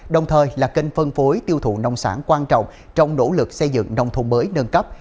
đồng thời là kênh phân phối tiêu thụ nông sản quan trọng trong nỗ lực xây dựng nông thôn mới nâng cấp